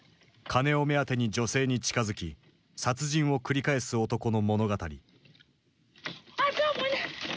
金を目当てに女性に近づき殺人を繰り返す男の物語。